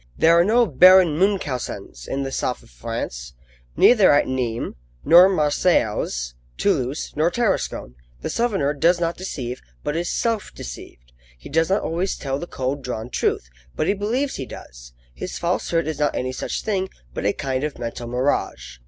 There are no Baron Munchausens in the south of France, neither at Nimes nor Marseilles, Toulouse nor Tarascon. The Southerner does not deceive but is self deceived. He does not always tell the cold drawn truth, but he believes he does. His falsehood is not any such thing, but a kind of mental mirage.